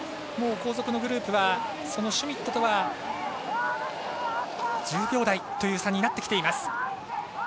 後続のグループはそのシュミットとは１０秒台という差になってきています。